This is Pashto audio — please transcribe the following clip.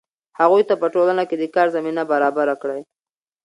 هغوی ته په ټولنه کې د کار زمینه برابره کړئ.